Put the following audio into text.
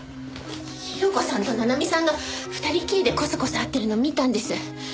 広子さんと七海さんが２人きりでコソコソ会ってるのを見たんです。